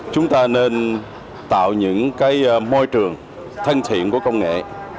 chúng ta nên tạo những môi trường thân thiện của công nghệ